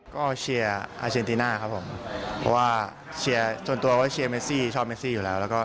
ก็เชียร์อาเจนติน่าครับผมเพราะว่าเชียร์ส่วนตัวก็เชียร์เมซี่ชอบเมซี่อยู่แล้ว